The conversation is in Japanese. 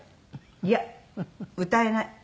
「いや歌えない。